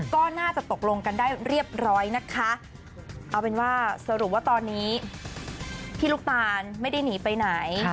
ก็น่าจะตกลงกันได้เรียบร้อยนะคะเอาเป็นว่าสรุปว่าตอนนี้พี่ลูกตานไม่ได้หนีไปไหน